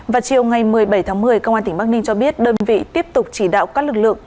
vào chiều ngày một mươi bảy tháng một mươi công an tỉnh bắc ninh cho biết đơn vị tiếp tục chỉ đạo các lực lượng